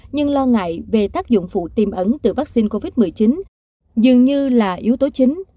nhưng lo ngại về tác dụng phụ tiềm ẩn từ vaccine covid một mươi chín dường như là yếu tố chính